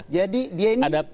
jadi dia ini